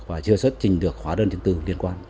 và chưa xuất trình được hóa đơn chứng tư liên quan